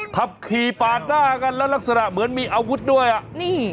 ขับขี่ปาดหน้ากันแล้วลักษณะเหมือนมีอาวุธด้วยอ่ะนี่